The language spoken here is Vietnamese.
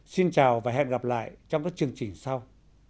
xin chào và hẹn gặp lại trong các chương trình sau